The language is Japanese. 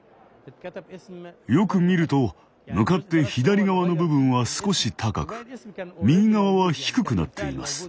よく見ると向かって左側の部分は少し高く右側は低くなっています。